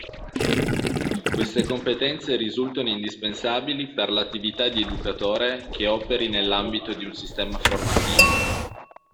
Queste competenze risultano indispensabili per l'attività di educatore che operi nell'ambito di un sistema formativo.